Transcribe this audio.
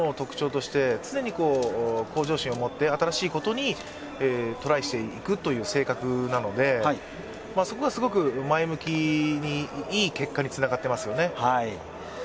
また彼の特徴として常に向上心を持って新しいことにトライしていくという性格なので、そこがすごく前向きにいい結果につながってますよね。